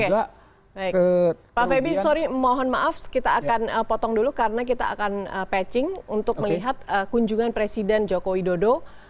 pak feby maaf mohon maaf kita akan potong dulu karena kita akan patching untuk melihat kunjungan presiden joko widodo